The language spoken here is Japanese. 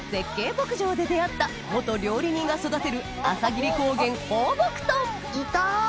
牧場で出合った料理人が育てる朝霧高原放牧豚いた！